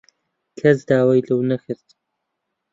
کەس داوای لەو نەکرد.